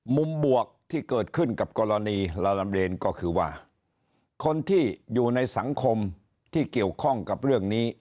บวกที่เกิดขึ้นกับกรณีลาลามเรียนก็คือว่าคนที่อยู่ในสังคมที่เกี่ยวข้องกับเรื่องนี้